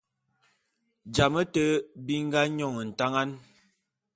Jame te bi nga nyon ntangan.